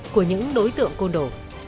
của những đối tượng côn đổ